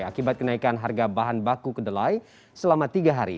akibat kenaikan harga bahan baku kedelai selama tiga hari